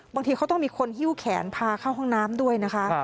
บางทีเขาต้องมีคนหิ้วแขนพาเข้าห้องน้ำด้วยนะคะ